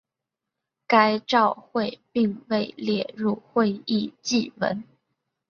该照会并未列入会议记文。